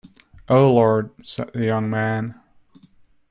"O Lord," said the young man.